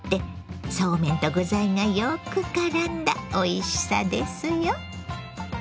そうめんと具材がよくからんだおいしさですよ。